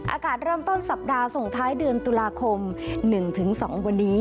อากาศเริ่มต้นสัปดาห์ส่งท้ายเดือนตุลาคม๑๒วันนี้